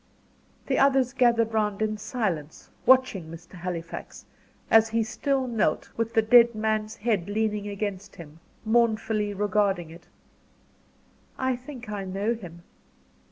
The others gathered round in silence, watching Mr. Halifax, as he still knelt, with the dead man's head leaning against him, mournfully regarding it. "I think I know him.